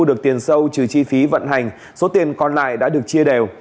được tiền sâu trừ chi phí vận hành số tiền còn lại đã được chia đều